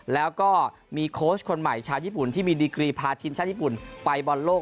แล้วก็มีโค้ชคนใหม่ชาวญี่ปุ่นที่มีดีกรีพาทีมชาติญี่ปุ่นไปบอลโลก